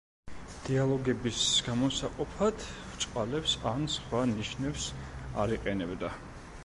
დიალოგების გამოსაყოფად ბრჭყალებს ან სხვა ნიშნებს არ იყენებდა.